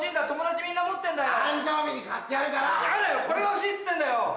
友達みんな持ってんだよ。